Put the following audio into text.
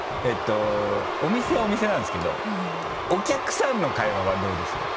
お店はお店なんですけどお客さんの会話はどうですか？